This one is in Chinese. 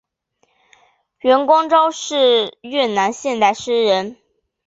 阮光韶是越南现代诗人。